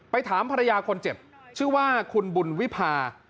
ถามภรรยาคนเจ็บชื่อว่าคุณบุญวิพา